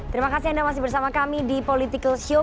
terima kasih anda masih bersama kami di political show